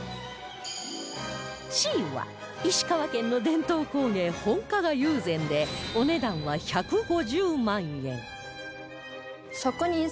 Ｃ は石川県の伝統工芸本加賀友禅でお値段は１５０万円